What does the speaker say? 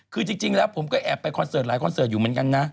คือจริงแล้วผมก็แอบไปคอนเสิร์ตหลายคอนเสิร์ตอยู่เหมือนกันนะ